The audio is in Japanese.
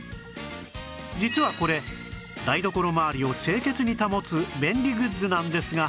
実はこれ台所回りを清潔に保つ便利グッズなんですが